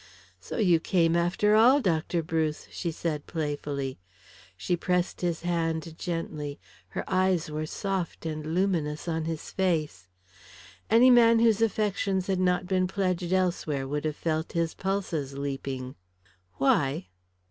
"So you came, after all, Dr. Bruce?" she said playfully. She pressed his hand gently, her eyes were soft and luminous on his face. Any man whose affections had not been pledged elsewhere would have felt his pulses leaping. "Why?"